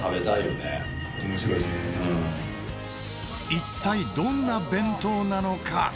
一体どんな弁当なのか？